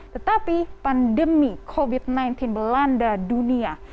tetapi pandemi covid sembilan belas melanda dunia